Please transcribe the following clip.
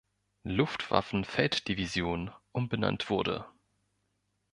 Luftwaffen-Feld-Division umbenannt wurde.